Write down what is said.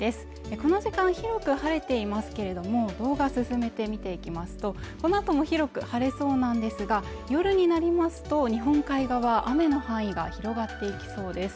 この時間広く晴れていますけれどもこのあとも広く晴れそうなんですが夜になりますと日本海側雨の範囲が広がっていきそうです